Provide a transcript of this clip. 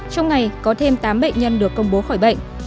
trong ngày có thêm tám bệnh nhân được công bố khỏi bệnh